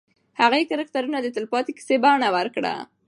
هغې کرکټرونه د تلپاتې کیسې بڼه ورکړه.